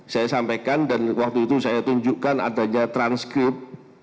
saya sampaikan dan waktu itu saya tunjukkan adanya transkrip